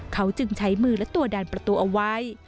เขาจึงใช้มือและตัวดันประตูเอาไว้